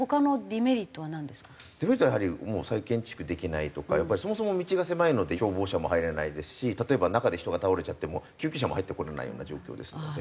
デメリットはやはりもう再建築できないとかやっぱりそもそも道が狭いので消防車も入れないですし例えば中で人が倒れちゃっても救急車も入ってこれないような状況ですので。